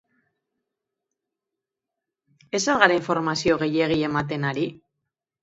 Ez al gara informazio gehiegi ematen ari?